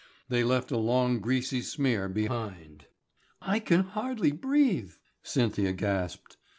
They left a long greasy smear behind. "I can hardly breathe," Cynthia gasped.